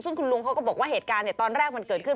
ซึ่งคุณลุงเขาก็บอกว่าเหตุการณ์ตอนแรกมันเกิดขึ้น